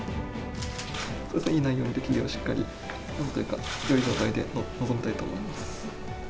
いい内容でできるようにしっかり、よい状態で臨みたいと思います。